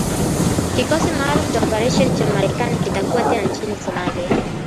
kikosi maalum cha oparesheni cha Marekani kitakuwa tena nchini Somalia